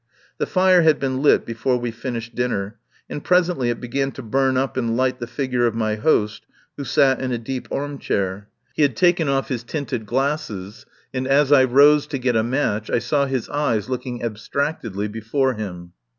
The fire had been lit before we finished dinner, and presently it began to burn up and light the figure of my host, who sat in a deep arm chair. He had taken off his tinted 6 4 TELLS OF A MIDSUMMER NIGHT glasses, and as I rose to get a match I saw his eyes looking abstractedly before him.